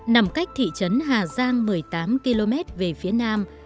nằm cách thị trấn hà giang một mươi tám km về phía nam